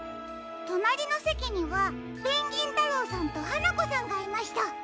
となりのせきにはペンギンたろうさんとはなこさんがいました。